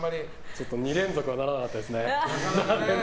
ちょっと２連続はならなかったですね。